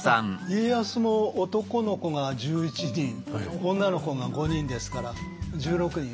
家康も男の子が１１人女の子が５人ですから１６人。